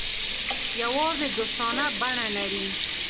یوازې دوستانه بڼه لري.